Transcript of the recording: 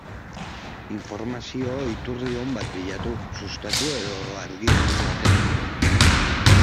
Informazio iturri on bat bilatu, Sustatu edo Argia esate baterako.